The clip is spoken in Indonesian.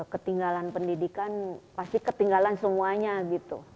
ketinggalan pendidikan pasti ketinggalan semuanya gitu